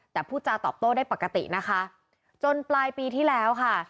แต่พูดจาตอบโต้ได้ปกตินะคะจนปลายปีที่แล้วค่ะ